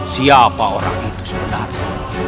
siapa orang itu sebenarnya